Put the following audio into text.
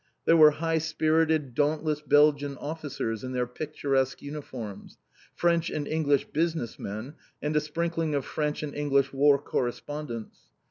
There were high spirited dauntless Belgian officers, in their picturesque uniforms, French and English business men, and a sprinkling of French and English War Correspondents.